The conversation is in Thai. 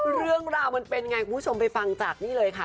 เรื่องราวมันเป็นไงคุณผู้ชมไปฟังจากนี่เลยค่ะ